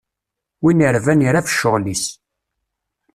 Win irban irab ccɣel-is.